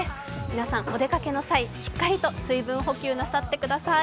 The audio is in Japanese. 皆さんお出かけの際、しっかりと水分補給なさってください。